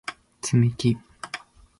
つみき